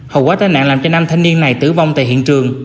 hầu quá tai nạn làm cho nam thanh niên này tử vong tại hiện trường